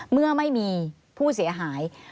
เมื่อไม่มีผู้เสียหาย